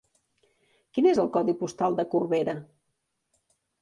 Quin és el codi postal de Corbera?